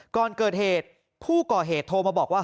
ก่อนเกิดเหตุผู้ก่อเหตุโทรมาบอกว่า